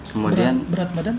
kemudian berat badan